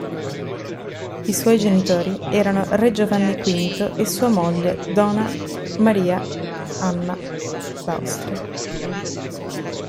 I suoi genitori erano Re Giovanni V e sua moglie Dona Maria Anna d'Austria.